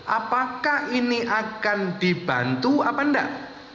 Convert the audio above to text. apakah ini akan dibantu apa enggak